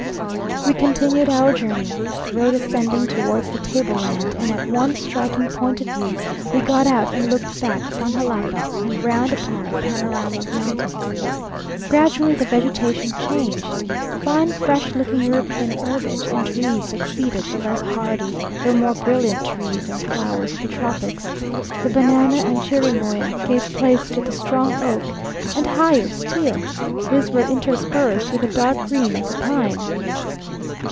We continued our journey, the road ascending towards the tableland, and at one striking point of view we got out and looked back upon Jalapa, and round upon a panorama of mountains. Gradually the vegetation changed: fine, fresh looking European herbage and trees succeeded the less hardy though more brilliant trees and flowers of the tropics; the banana and chirimoya gave place to the strong oak, and higher still, these were interspersed with the dark green of the pine.